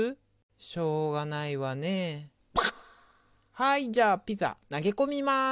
はいじゃあピザ投げ込みます！